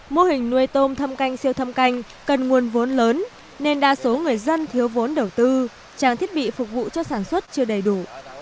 mô hình nuôi tôm thâm canh siêu thâm canh cần nguồn vốn lớn nên đa số người dân thiếu vốn đầu tư trang thiết bị phục vụ cho sản xuất chưa đầy đủ